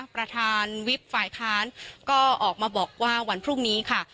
ประธานวิบฝ่ายค้านก็ออกมาบอกว่าวันพรุ่งนี้ค่ะ